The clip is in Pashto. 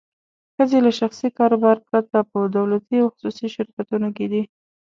ښځې له شخصي کاروبار پرته په دولتي او خصوصي شرکتونو کې دي.